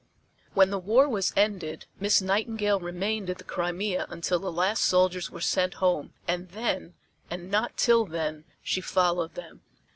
When the war was ended Miss Nightingale remained at the Crimea until the last soldiers were sent home, and then, and not till then, she followed them.